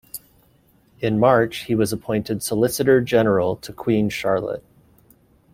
In March, he was appointed Solicitor-General to Queen Charlotte.